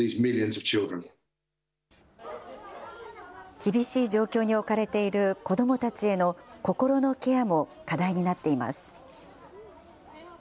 厳しい状況に置かれている子どもたちへの心のケアも課題になっています。